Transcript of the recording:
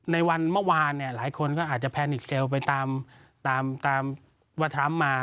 ในวันเมื่อวานหลายคนก็อาจจะแพนิกเซลไปตามทรัมป์มา